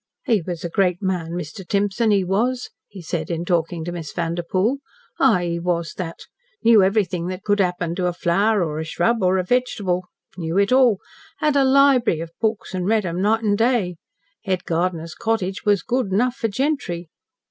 "He was a great man Mr. Timson he was," he said, in talking to Miss Vanderpoel. "Ay, he was that. Knew everything that could happen to a flower or a s'rub or a vegetable. Knew it all. Had a lib'ery of books an' read 'em night an' day. Head gardener's cottage was good enough for gentry.